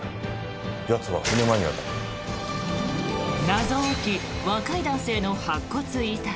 謎多き、若い男性の白骨遺体。